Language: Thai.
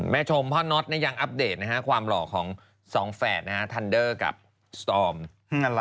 แม่ชมที่ร่วมจะอะไรบ้าง